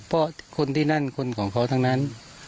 เพราะคนที่นั่นคนของเขาทั้งนั้น